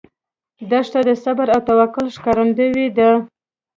دښته د صبر او توکل ښکارندوی ده.